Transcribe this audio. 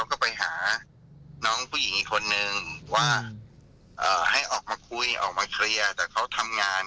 ว่าเอ่อให้ออกมาคุยออกมาเคลียร์แต่เขาทำงาน